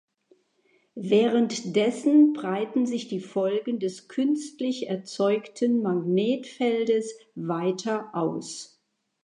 Währenddessen breiten sich die Folgen des künstlich erzeugten Magnetfeldes weiter aus.